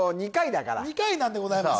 ２回なんでございます